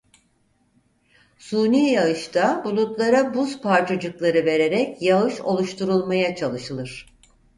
Suni yağışta bulutlara buz parçacıkları vererek yağış oluşturulmaya çalışılır.